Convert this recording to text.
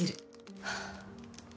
はあ。